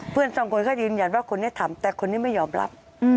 เพื่อนสองคนก็ยืนยันว่าคนนี้ทำแต่คนนี้ไม่ยอมรับ